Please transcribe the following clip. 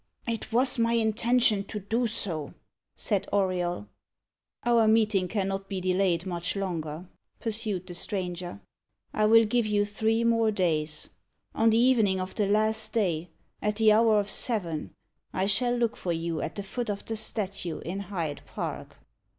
"It was my intention to do so," said Auriol. "Our meeting cannot be delayed much longer," pursued the stranger. "I will give you three more days. On the evening of the last day, at the hour of seven, I shall look for you at the foot of the statue in Hyde Park."